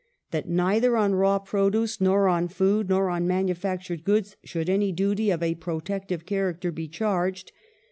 That neither on raw produce, nor on food, nor on manu factured goods should any duty of a protective character be charged.